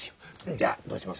じゃあどうします？